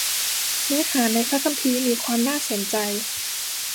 เนื้อหาในพระคัมภีร์ มีความน่าสนใจ